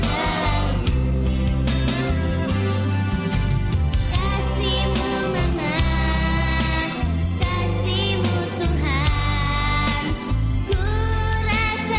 kau beri aku mama yang baik